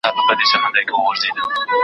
دا لوبه له هغه خوندوره ده؟